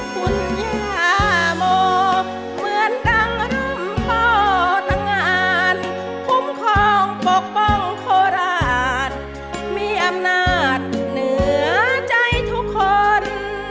คุณย่าโมเหมือนดังร่มพ่อทั้งงานคุ้มครองปกป้องโคราชมีอำนาจเหนือใจทุกคน